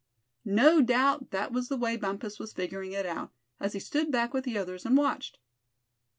No doubt that was the way Bumpus was figuring it out, as he stood back with the others, and watched.